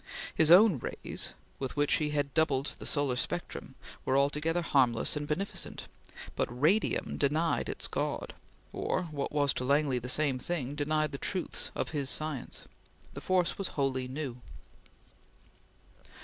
His own rays, with which he had doubled the solar spectrum, were altogether harmless and beneficent; but Radium denied its God or, what was to Langley the same thing, denied the truths of his Science. The force was wholly new.